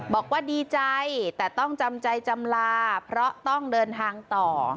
บอกว่าดีใจแต่ต้องจำใจจำลาเพราะต้องเดินทางต่อ